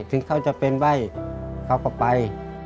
ถึงเขาจะเป็นใบ้เขาก็ไป